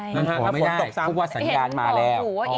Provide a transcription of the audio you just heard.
ถ้าช่วงไม่ได้พวกว่าสัญญาณมาแล้ว